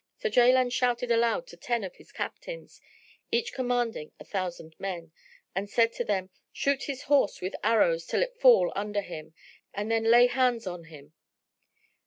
So Jaland shouted aloud to ten of his captains, each commanding a thousand men, and said to them, "Shoot his horse with arrows till it fall under him, and then lay hands on him."